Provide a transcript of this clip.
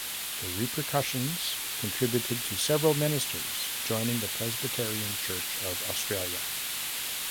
The repercussions contributed to several ministers joining the Presbyterian Church of Australia.